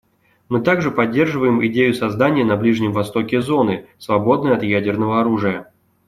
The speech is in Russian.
Мы также поддерживаем идею создания на Ближнем Востоке зоны, свободной от ядерного оружия.